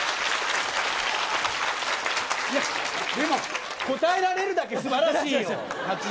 いや、でも答えられるだけすばらしいですよ。